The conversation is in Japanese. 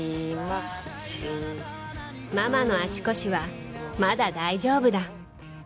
ママの足腰はまだ大丈夫だ